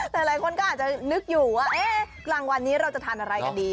แต่หลายคนก็อาจจะนึกอยู่ว่าเอ๊ะกลางวันนี้เราจะทานอะไรกันดี